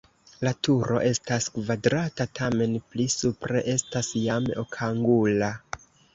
La turo estas kvadrata, tamen pli supre estas jam okangula.